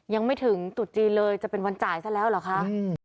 ยังไม่ถึงจุดจีนเลยจะเป็นวันจ่ายซะแล้วเหรอคะ